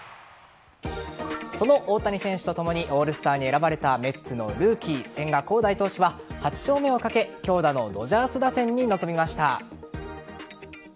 その大谷選手とともにオールスターに選ばれたメッツのルーキー千賀滉大投手は８勝目をかけ強打のドジャース打線に挑みました。